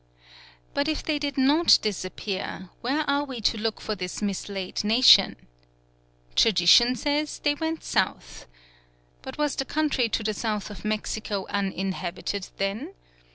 But if they did not disappear, where are we to look for this mislaid nation? Tradition says they went south. But was the country to the south of Mexico uninhabited then?